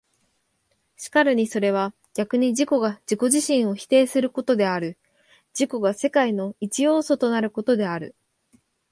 然るにそれは逆に自己が自己自身を否定することである、自己が世界の一要素となることである。